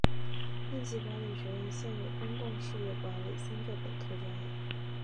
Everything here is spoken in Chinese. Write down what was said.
应急管理学院现有公共事业管理三个本科专业。